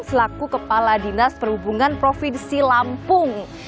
selaku kepala dinas perhubungan provinsi lampung